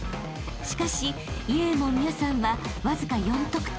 ［しかしイェーモンミャさんはわずか４得点］